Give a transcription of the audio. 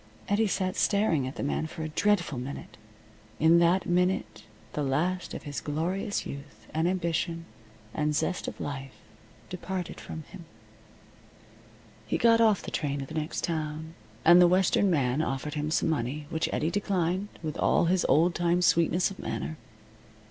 Eddie sat staring at the man for a dreadful minute. In that minute the last of his glorious youth, and ambition, and zest of life departed from him. He got off the train at the next town, and the western man offered him some money, which Eddie declined with all his old time sweetness of manner.